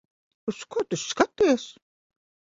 Uz ko tu skaties?